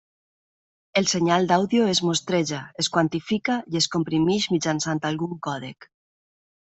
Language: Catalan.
El senyal d'àudio es mostreja, es quantifica i es comprimeix mitjançant algun còdec.